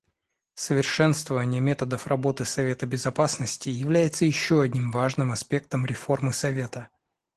Совершенствование методов работы Совета Безопасности является еще одним важным аспектом реформы Совета.